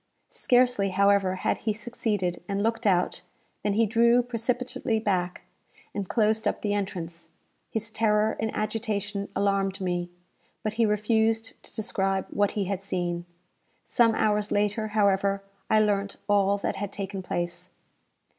Scarcely, however, had he succeeded, and looked out, than he drew precipitately back, and closed up the entrance. His terror and agitation alarmed me; but he refused to describe what he had seen. Some hours later, however, I learnt all that had taken place.